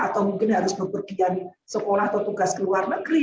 atau mungkin harus bepergian sekolah atau tugas ke luar negeri